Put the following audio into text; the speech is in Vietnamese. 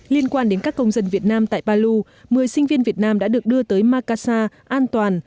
liên quan đến các công dân việt nam tại palu một mươi sinh viên việt nam đã được đưa tới makasa an toàn